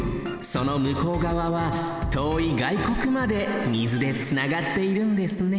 その向こうがわはとおいがいこくまで水でつながっているんですね